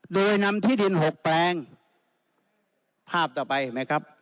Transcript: โดยนำที่ดิน๖แปลงภาพต่อไปเห็นไหมครับ